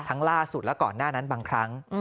ล่าสุดและก่อนหน้านั้นบางครั้ง